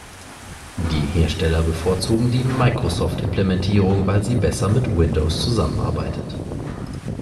Die Hersteller bevorzugen die Microsoft-Implementierung, weil sie besser mit Windows zusammenarbeitet.